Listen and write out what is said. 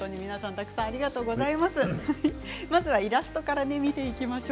たくさんありがとうございました。